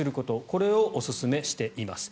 これをおすすめしています。